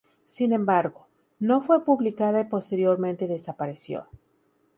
Sin embargo, no fue publicada y posteriormente desapareció.